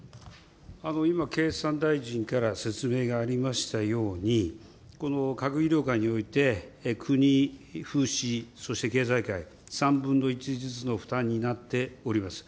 今、経産大臣から説明がありましたように、この業界において、国、府、市、そして経済界、３分の１ずつの負担になっております。